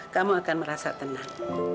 kamu akan merasa tenang